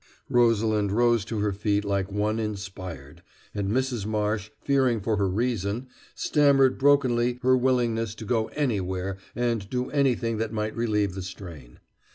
Rosalind rose to her feet like one inspired, and Mrs. Marsh, fearing for her reason, stammered brokenly her willingness to go anywhere and do anything that might relieve the strain.